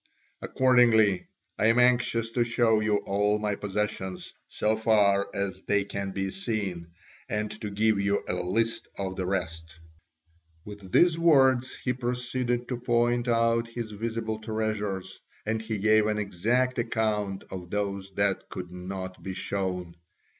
Accordingly I am anxious to show you all my possessions so far as they can be seen, and to give you a list of the rest." With these words he proceeded to point out his visible treasures, and he gave an exact account of those that could not be shown.